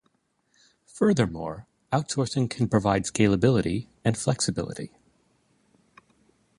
Furthermore, outsourcing can provide scalability and flexibility.